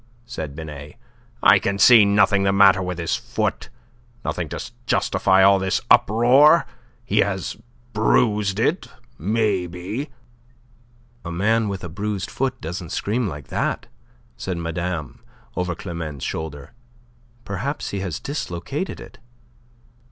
said Binet. "I can see nothing the matter with his foot nothing to justify all this uproar. He has bruised it, maybe..." "A man with a bruised foot doesn't scream like that," said Madame over Climene's shoulder. "Perhaps he has dislocated it."